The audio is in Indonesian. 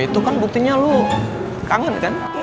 itu kan buktinya lu kangen kan